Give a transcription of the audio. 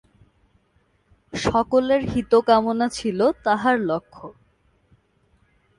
সকলের হিত-কামনা ছিল তাঁহার লক্ষ্য।